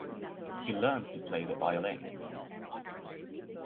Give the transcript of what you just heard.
He learned to play the violin.